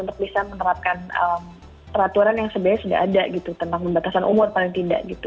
untuk bisa menerapkan peraturan yang sebenarnya sudah ada gitu tentang pembatasan umur paling tidak gitu